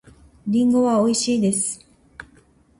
リンゴはおいしいです。